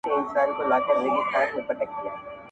صوفي سمدستي شروع په نصیحت سو.!